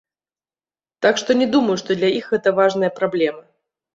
Так што не думаю, што для іх гэта важная праблема.